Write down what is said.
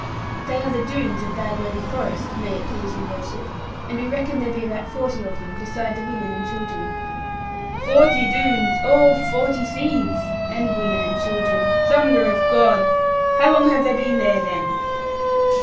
'They are the Doones of Bagworthy forest, may it please your worship. And we reckon there be about forty of them, beside the women and children.' 'Forty Doones, all forty thieves! and women and children! Thunder of God! How long have they been there then?'